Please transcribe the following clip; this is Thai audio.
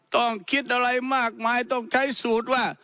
ต้องคิดอะไรมากมายต้องใช้สูตรว่า